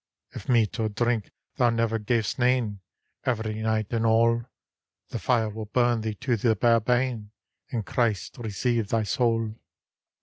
If meat or drink thou never gav'st nane, — Every nighte and alle. The tire will bum thee to the bare bane; And Christe receive thy saule.